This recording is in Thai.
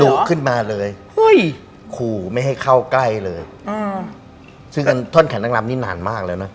ขึ้นมาเลยขู่ไม่ให้เข้าใกล้เลยอืมซึ่งกันท่อนแขนนางลำนี่นานมากแล้วนะ